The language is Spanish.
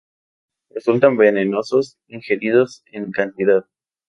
Resultan venenosos ingeridos en cantidad.